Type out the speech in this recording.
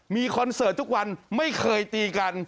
มีคอนเสิร์ตทุกวันไม่เคยตีกัน